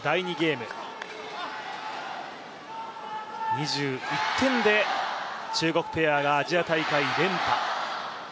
２１点で中国ペアがアジア大会が連覇。